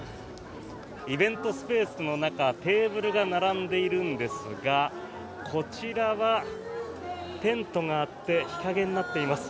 イベントスペースの中テーブルが並んでいるんですがこちらはテントがあって日陰になっています。